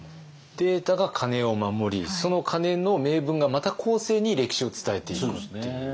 データが鐘を守りその鐘の銘文がまた後世に歴史を伝えていくっていう。